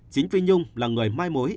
chính phi nhung là người mai mối